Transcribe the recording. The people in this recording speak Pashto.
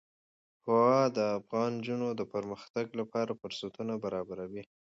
هوا د افغان نجونو د پرمختګ لپاره فرصتونه برابروي.